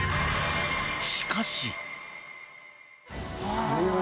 しかし。